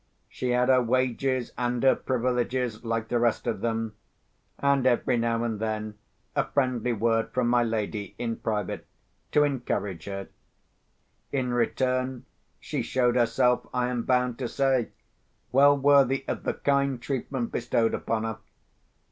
She had her wages and her privileges, like the rest of them; and every now and then a friendly word from my lady, in private, to encourage her. In return, she showed herself, I am bound to say, well worthy of the kind treatment bestowed upon her.